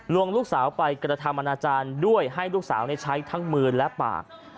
ลูกสาวไปกระทำอนาจารย์ด้วยให้ลูกสาวใช้ทั้งมือและปาก